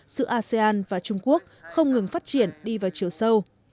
giữa asean và trung quốc không ngừng phát triển đi vào chiều sâu